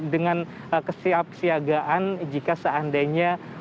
dengan kesiapsiagaan jika seandainya